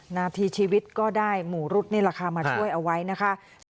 นาทีชีวิตก็ได้หมูรุดนี่แหละค่ะมาช่วยเอาไว้นะคะ